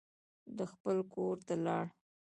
ده خپل کور ته لاړ.